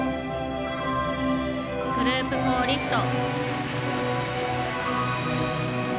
グループ４リフト。